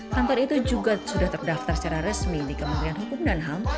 kantor itu juga sudah terdaftar secara resmi di kementerian hukum dan ham